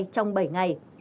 trong bảy ngày